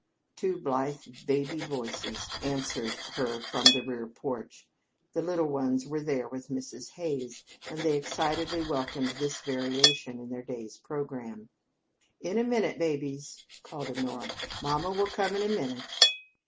Two blithe baby voices answered her from the rear porch. The little ones were there with Mrs. Hays, and they excitedly welcomed this variation in their day's programme. "In a minute, babies," called Honora. "Mamma will come in a minute."